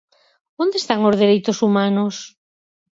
¿Onde están os dereitos humanos?